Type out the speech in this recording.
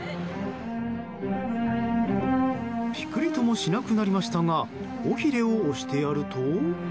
ピクリともしなくなりましたが尾ひれを押してやると。